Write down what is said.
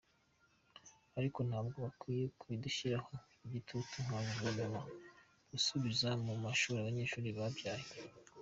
Ariko ntabwo bakwiye kubidushyiriraho igitutu nka guverinoma gusubiza mu mashuri abanyeshuri babyaye.